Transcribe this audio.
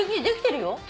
できてるよ。